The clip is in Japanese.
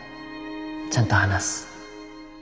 ちゃんと話す。